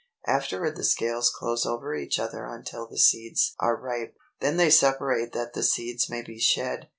Afterward the scales close over each other until the seeds are ripe. Then they separate that the seeds may be shed.